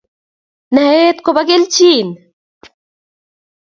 Naet kopa kelchin